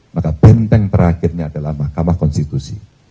maka benteng terakhirnya adalah mahkamah konstitusi